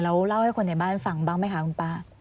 แล้วเล่าให้คนในบ้านฟังบ้างไหมคะคุณป้า